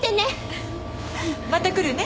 うん。また来るね。